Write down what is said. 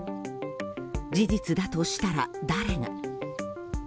事実だとしたら、誰が？